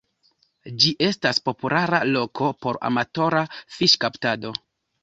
Ĝi estas populara loko por amatora fiŝkaptado.